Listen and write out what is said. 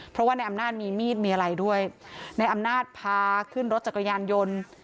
เพราะว่าในอำนาจมีมีดมีอะไรด้วยในอำนาจพาขึ้นรถจักรยานยนต์